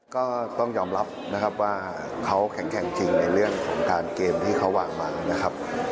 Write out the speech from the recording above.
ก็ต้องยอมรับนะครับว่าเขาแข็งจริงในเรื่องของการเกมที่เขาวางมานะครับ